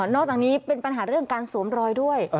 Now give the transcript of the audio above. นอกจากนี้เป็นปัญหาเรื่องการสวมรอยด้วย